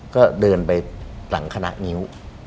ก็เดินไปหลังคณะงิ้ว